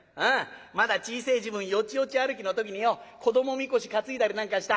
まだ小せえ時分よちよち歩きの時によ子どもみこし担いだりなんかした。